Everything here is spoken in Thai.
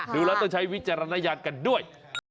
ดูแล้วต้องใช้วิจารณญาณกันด้วย